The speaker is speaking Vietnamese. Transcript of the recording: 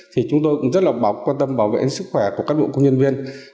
thì chúng tôi cũng rất là quan tâm bảo vệ sức khỏe của các đội công nhân viên